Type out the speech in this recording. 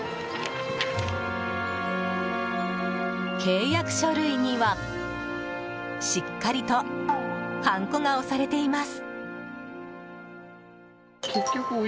契約書類には、しっかりとはんこが押されています。